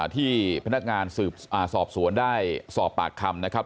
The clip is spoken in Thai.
ที่พนักงานสอบสวนได้สอบปากคำนะครับ